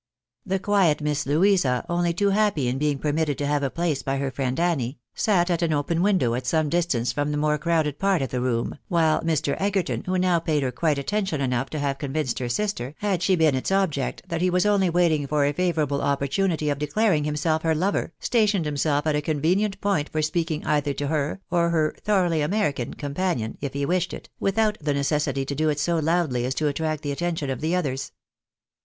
" The quiet Miss Louisa, only too happy in being permitted to have a place by her friend Annie, sat at an open window at some distance from the more crowded part of the room, while Mr. Egerton, who now paid her quite attention enough to have con vinced her sister, had she been its object, that he was only waiting for a favourable opportunity of declaring himself her lover, stationed himself at a convenient point for speaking either to her, or her " thoroughly American" companion, if he wished it, without the necessity to do it so loudly as to attract the attention of others.